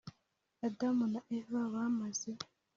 adamu na eva bamaze